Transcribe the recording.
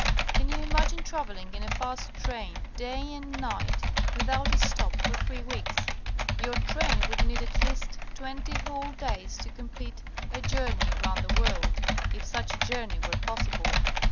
Can you imagine travelling in a fast train, day and night, without a stop, for three weeks? Your train would need at least twenty whole days to com plete a journe^v round the world, if such a journey were possible.